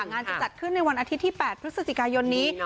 จะจัดขึ้นในวันอาทิตย์ที่๘พฤศจิกายนนี้